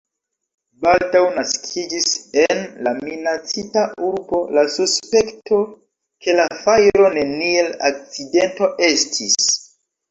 Baldaŭ naskiĝis en la minacita urbo la suspekto, ke la fajro neniel akcidento estis.